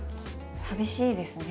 寂しいですね。